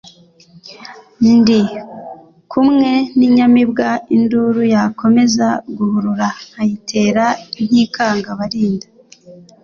ndi kumwe n'inyamibwa induru yakomeza guhurura nkayitera ntikanga abalinda